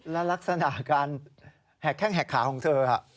และลักษณะการแหกแข้งแหกขาของเธอ